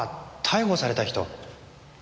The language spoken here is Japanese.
「逮捕された人」。